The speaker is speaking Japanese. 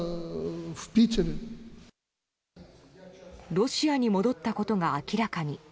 ロシアに戻ったことが明らかに。